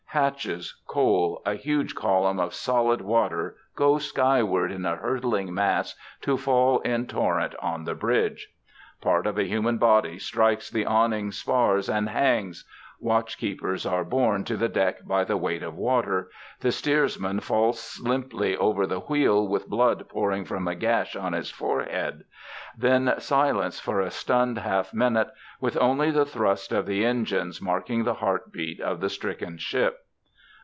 Hatches, coal, a huge column of solid water go skyward in a hurtling mass to fall in torrent on the bridge. Part of a human body strikes the awning spars and hangs watch keepers are borne to the deck by the weight of water the steersman falls limply over the wheel with blood pouring from a gash on his forehead.... Then silence for a stunned half minute, with only the thrust of the engines marking the heartbeats of the stricken ship.